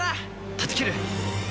断ち切る。